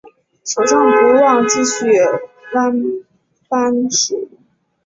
手上不忘继续挖番薯